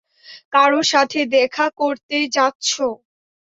কারো সাথে দেখা করতে যাচ্ছো?